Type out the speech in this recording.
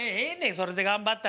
それで頑張ったら。